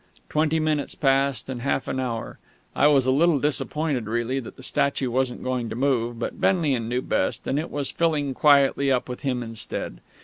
Twenty minutes passed, and half an hour. I was a little disappointed, really, that the statue wasn't going to move; but Benlian knew best, and it was filling quietly up with him instead.